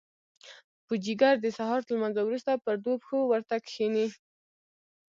پوجيگر د سهار تر لمانځه وروسته پر دوو پښو ورته کښېني.